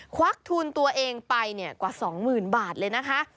ควักทุนตัวเองไปกว่า๒๐๐๐บาทเลยนะคะ